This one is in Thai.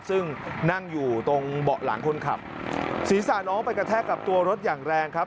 ซึ่งนั่งอยู่ตรงเบาะหลังคนขับศีรษะน้องไปกระแทกกับตัวรถอย่างแรงครับ